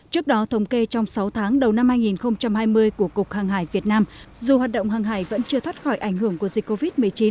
trước đó thống kê trong sáu tháng đầu năm hai nghìn hai mươi của cục hàng hải việt nam dù hoạt động hàng hải vẫn chưa thoát khỏi ảnh hưởng của dịch covid một mươi chín